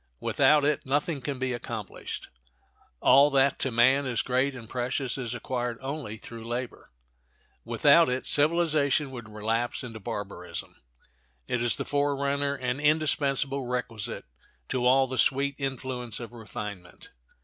Without it nothing can be accomplished. All that to man is great and precious is acquired only through labor. Without it civilization would relapse into barbarism. It is the forerunner and indispensable requisite to all the sweet influence of refinement.